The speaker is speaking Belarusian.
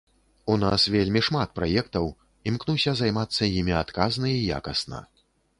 У нас вельмі шмат праектаў, імкнуся займацца імі адказна і якасна.